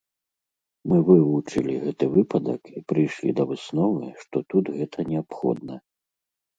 Мы вывучылі гэты выпадак і прыйшлі да высновы, што тут гэта неабходна.